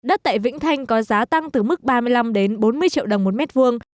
đất tại vĩnh thanh có giá tăng từ mức ba mươi năm bốn mươi triệu đồng một m hai